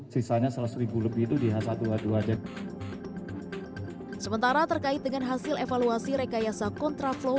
sembilan puluh sisanya seratus lebih itu di h satu h dua j sementara terkait dengan hasil evaluasi rekayasa kontraflow